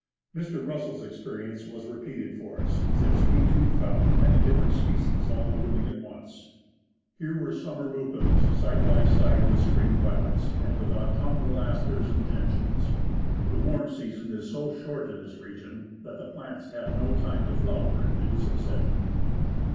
Mr. Russell's experience was repeated for us, since we too found many different species all blooming at once. Here were summer lupines side by side with 165 THE ASCENT OF MOUNT ST. ELIAS spring violets and with autumnal asters and gentians. The warm season is so short in this region that the plants have no time to flower in due succession.